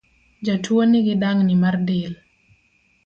Jatuo nigi dangni mar del